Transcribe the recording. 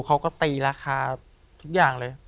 เขาก็ตีราคาทุกอย่างเลย